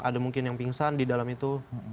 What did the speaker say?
ada mungkin yang pingsan di dalam itu